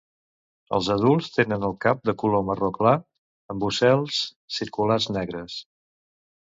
Els adults tenen el cap de color marró clar amb ocels circulars negres.